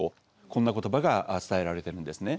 こんな言葉が伝えられてるんですね。